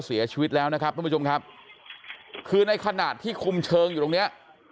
เสียชีวิตแล้วนะค่ะคุมผู้ชมคือในขนาดที่คุมเชิงอยู่ตรงเนี่ย